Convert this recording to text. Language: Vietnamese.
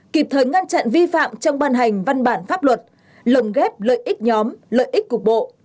kịp thời ngăn chặn vi phạm trong ban hành văn bản pháp luật lồng ghép lợi ích nhóm lợi ích cục bộ